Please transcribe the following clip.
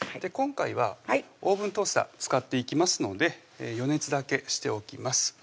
今回はオーブントースター使っていきますので予熱だけしておきます